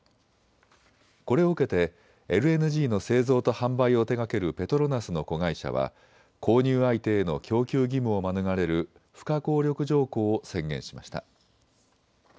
これを受けてＬＮＧの製造と販売を手がけるペトロナスの子会社は購入相手への供給義務を免れる不可抗力条項を宣言しました。